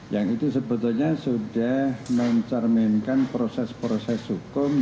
yang itu sebetulnya sudah mencerminkan proses proses hukum